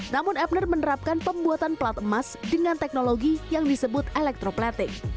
namun epner menerapkan pembuatan plat emas dengan teknologi yang disebut elektropletik